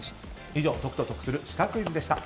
以上解くと得するシカクイズでした。